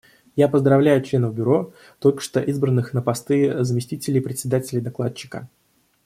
Я поздравляю членов Бюро, только что избранных на посты заместителей Председателя и докладчика.